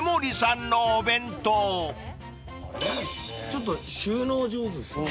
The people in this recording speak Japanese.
ちょっと収納上手ですね。